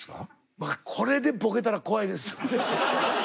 まあこれでボケたら怖いですよね。